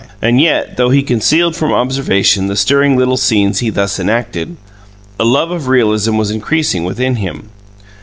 And yet, though he concealed from observation the stirring little scenes he thus enacted, a love of realism was increasing within him.